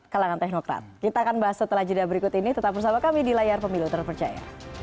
kalangan teknokrat kita akan bahas setelah jeda berikut ini tetap bersama kami di layar pemilu terpercaya